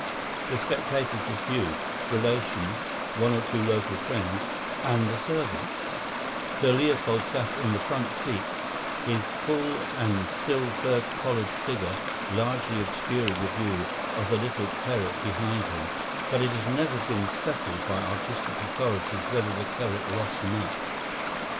The spectators were few, relations, one or two local friends, and the servants; Sir Leopold sat in the front seat, his full and still fur collared figure largely obscuring the view of the little cleric behind him; but it has never been settled by artistic authorities whether the cleric lost much.